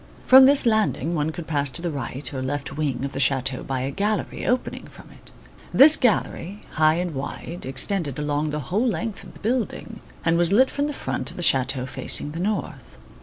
From this landing one could pass to the right or left wing of the chateau by a gallery opening from it. This gallery, high and wide, extended along the whole length of the building and was lit from the front of the chateau facing the north.